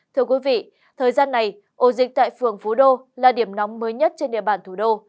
thưa quý vị thời gian này ổ dịch tại phường phú đô là điểm nóng mới nhất trên địa bàn thủ đô